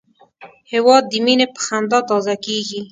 هېواد د مینې په خندا تازه کېږي.